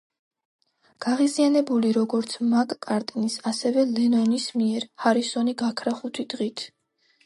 გაღიზიანებული როგორც მაკ-კარტნის, ასევე ლენონის მიერ, ჰარისონი გაქრა ხუთი დღით.